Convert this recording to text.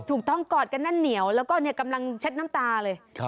กอดกันแน่นเหนียวแล้วก็กำลังเช็ดน้ำตาเลย